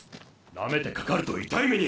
なめてかかると痛い目に。